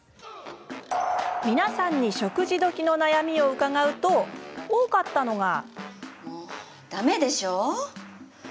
皆さんに食事時の悩みを伺うと多かったのが。